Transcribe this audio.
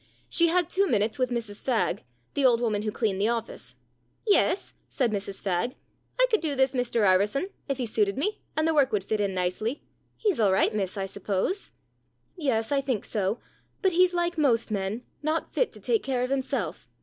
She had two minutes with Mrs Fagg, the old woman who cleaned the office. "Yes," said Mrs Fagg. "I could do this Mr 'Arverson, if he suited me, and the work would fit in nicely. He's all right, miss, I suppose ?"" Yes, I think so. But he's like most men not fit to take care of himself."